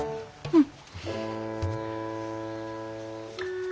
うん。